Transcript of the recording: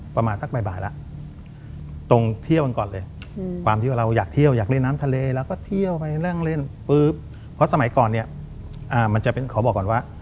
เพราะสมัยก่อนเนี่ยมันจะเป็นขอบอกก่อนว่า